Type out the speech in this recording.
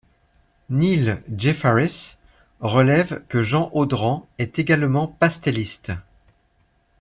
Neil Jeffares relève que Jean Audran est également pastelliste.